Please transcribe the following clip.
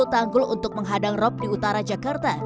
dan sepuluh tanggul untuk menghadang rap di utara jakarta